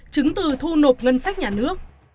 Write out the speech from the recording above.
trứng từ thu nộp ngân sách nhà nước